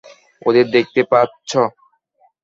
ওদের দেখতে পাচ্ছো?